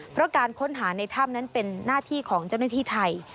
เพราะการค้นหาในถ้ำนั้นเป็นหน้าที่ของเจ้าหน้าที่ไทย